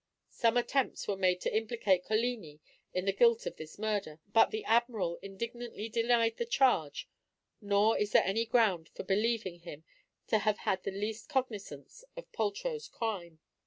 Some attempts were made to implicate Coligni in the guilt of this murder, but the Admiral indignantly denied the charge; nor is there any ground for believing him to have had the least cognizance of Poltrot's crime.